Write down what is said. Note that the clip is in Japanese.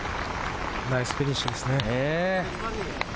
ナイスフィニッシュですね。